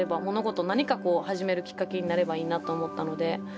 物事何かこう始めるきっかけになればいいなと思ったので。